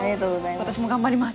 私も頑張ります。